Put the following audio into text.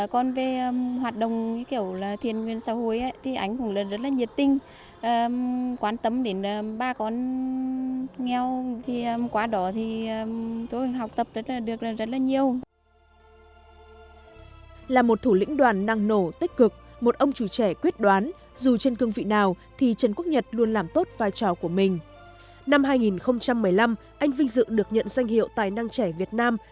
còn về hoạt động thiên nguyên xã hội thì anh cũng rất là nhiệt tinh quan tâm đến ba con nghèo